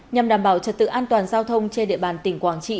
nhằm đảm bảo trật tự an toàn giao thông trên địa bàn tỉnh quảng trị